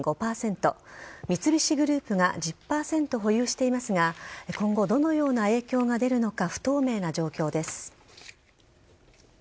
三菱グループが１０％保有していますが今後どのような影響が出るのか不透明な状況です。